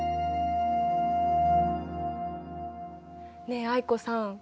ねえ藍子さん